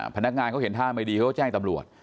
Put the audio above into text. พนักงานเขาเห็นท่าไม่ดีเขาก็แจ้งตำรวจ